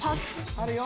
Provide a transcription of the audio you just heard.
あるよ。